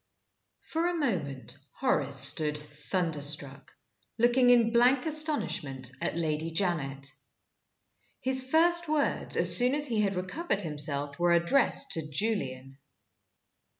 FOR a moment Horace stood thunderstruck, looking in blank astonishment at Lady Janet. His first words, as soon as he had recovered himself, were addressed to Julian.